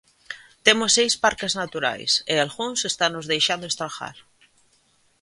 Temos seis parques naturais, e algúns estanos deixando estragar.